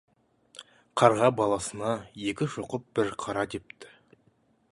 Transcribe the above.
Қарға баласына: «Екі шоқып, бір қара» депті.